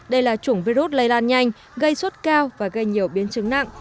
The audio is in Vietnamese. đây là chủng virus lây lan nhanh gây suốt cao và gây nhiều biến chứng nặng